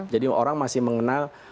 jadi orang masih mengenal